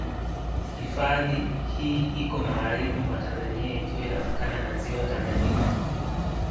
Hifadhi hii iko magharibi mwa Tanzania ikiwa inapakana na Ziwa Tanganyika.